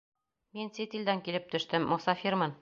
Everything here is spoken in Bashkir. Мин сит илдән килеп төштөм, мосафирмын!